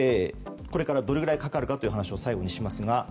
これからどれぐらいかかるかという話を最後にしますが。